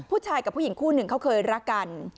ผู้ชายกับผู้หญิงคู่หนึ่งเขาเคยรักกัน